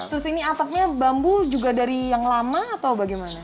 terus ini atapnya bambu juga dari yang lama atau bagaimana